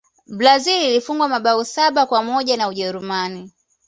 brazil ilifungwa mabao saba kwa moja na ujerumani